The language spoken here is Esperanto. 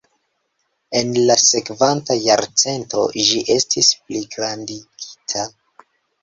En la sekvanta jarcento ĝi estis pligrandigita.